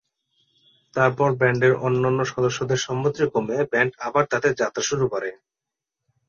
তারপর ব্যান্ডের অন্যান্য সদস্যদের সম্মতিক্রমে ব্যান্ড আবার তাদের যাত্রা শুরু করে।